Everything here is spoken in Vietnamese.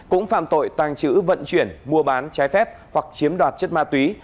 cũng phạm tội tàng trữ vận chuyển mua bán trái phép hoặc chiếm đoạt chất ma túy